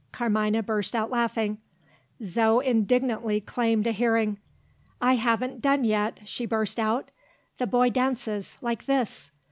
Carmina burst out laughing. Zo indignantly claimed a hearing. "I haven't done yet!" she burst out. "The boy dances. Like this."